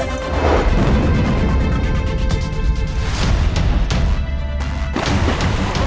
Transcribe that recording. tapi aku sudah telah memiliki anak yang nosing pak